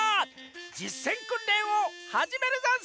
じっせんくんれんをはじめるざんす！